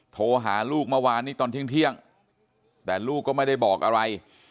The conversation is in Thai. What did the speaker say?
โทรหาลูกเมื่อวานนี้ตอนเที่ยงแต่ลูกก็ไม่ได้บอกอะไร